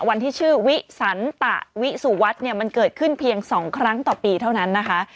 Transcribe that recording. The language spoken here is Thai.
วันที่ชื่อวิสันตะวิสุวัสดิ์เนี่ยมันเกิดขึ้นเพียง๒ครั้งต่อปีเท่านั้นนะคะ